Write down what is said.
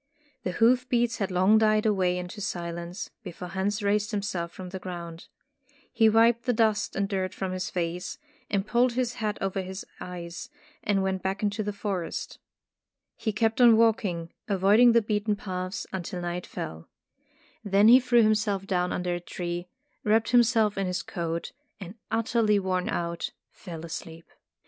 The hoof beats had long died away into silence, before Hans raised himself from the ground. He wiped the dust and dirt from his face, pulled his hat over his eyes, and went back into the forest. He kept on walking, avoiding the beaten paths, until night fell. Then he threw Tales of Modern Germany 145 himself down under a tree, wrapped him self in his coat, and utterly worn out, fell asleep.